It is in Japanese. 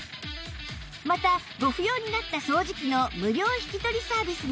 またご不要になった掃除機の無料引き取りサービスも